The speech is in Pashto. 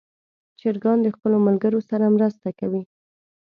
چرګان د خپلو ملګرو سره مرسته کوي.